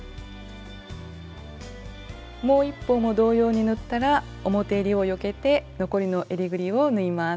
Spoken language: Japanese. もう一方も同様に縫ったら表えりをよけて残りのえりぐりを縫います。